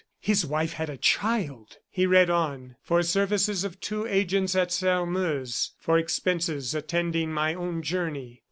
His wife had a child! He read on: "For services of two agents at Sairmeuse, . For expenses attending my own journey